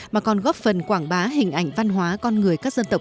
mà còn góp phần quảng bá hình ảnh văn hóa con người các dân tộc